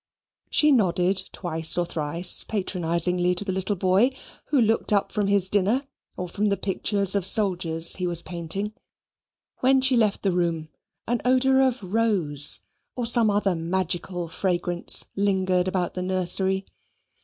She nodded twice or thrice patronizingly to the little boy, who looked up from his dinner or from the pictures of soldiers he was painting. When she left the room, an odour of rose, or some other magical fragrance, lingered about the nursery.